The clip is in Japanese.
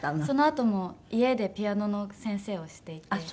そのあとも家でピアノの先生をしていて。